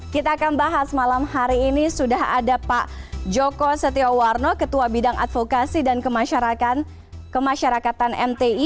kita akan bahas malam hari ini sudah ada pak joko setiowarno ketua bidang advokasi dan kemasyarakatan mti